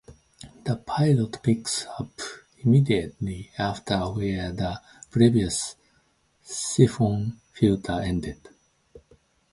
The plot picks up immediately after where the previous Syphon Filter ended.